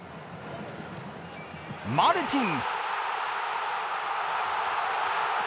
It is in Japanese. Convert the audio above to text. マルティン。